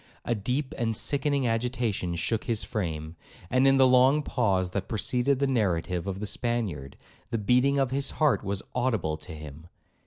A deep and sickening agitation shook his frame; and in the long pause that preceded the narrative of the Spaniard, the beating of his heart was audible to him.